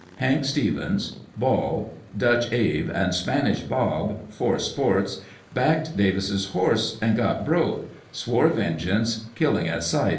Hank Stevens, Ball, Dutch Abe, and Spanish Bob, four 'sports,' backed Davis's horse, and got broke, swore vengeance, killing at sight, &c.